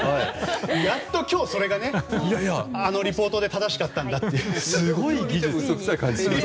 やっと今日、それがあのリポートで正しかったんだと。